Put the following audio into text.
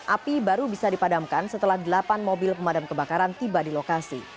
api baru bisa dipadamkan setelah delapan mobil pemadam kebakaran tiba di lokasi